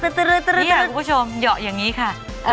คุณผู้ชมเหยาะอย่างนี้ค่ะ